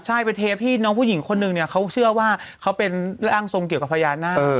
ใช่เป็นเทปที่น้องผู้หญิงคนนึงเนี่ยเขาเชื่อว่าเขาเป็นร่างทรงเกี่ยวกับพญานาค